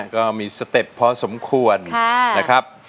ก็มีสเต็ปพอสมควรนะครับ